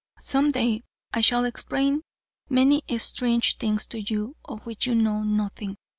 Some day I shall explain many strange things to you, of which you know nothing.